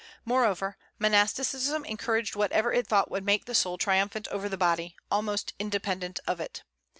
Moreover, monasticism encouraged whatever it thought would make the soul triumphant over the body, almost independent of it.